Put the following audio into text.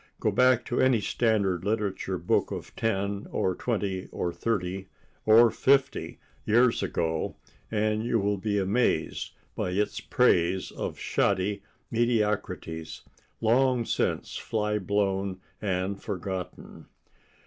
Go back to any standard literature book of ten, or twenty, or thirty, or fifty years ago, and you will be amazed by its praise of shoddy mediocrities, long since fly blown and forgotten.